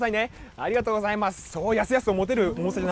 ありがとうございます。